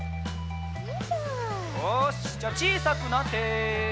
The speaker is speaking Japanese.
よしじゃあちいさくなって。